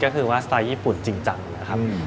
ก็คือว่าสไตล์ญี่ปุ่นจริงจังนะครับ